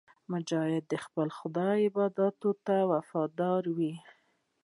مجاهد د خپل خدای عبادت ته وفادار وي.